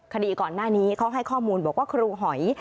คดีก่อนหน้านี้เขาให้ข้อมูลบอกว่าครูหอย